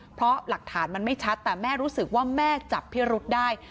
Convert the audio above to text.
เพราะหลักฐานมันไม่ชัดแต่แม่รู้สึกว่าแม่จับพิรุษได้